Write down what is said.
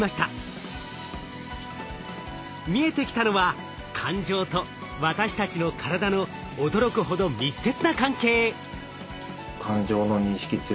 見えてきたのは感情と私たちの体の驚くほど密接な関係。